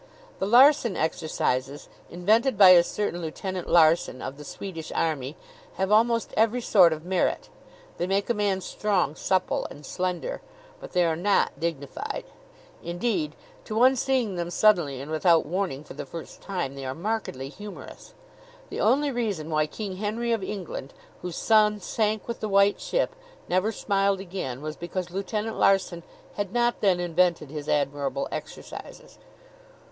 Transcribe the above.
The Larsen Exercises, invented by a certain Lieutenant Larsen, of the Swedish Army, have almost every sort of merit. They make a man strong, supple, and slender. But they are not dignified. Indeed, to one seeing them suddenly and without warning for the first time, they are markedly humorous. The only reason why King Henry, of England, whose son sank with the White Ship, never smiled again, was because Lieutenant Larsen had not then invented his admirable exercises.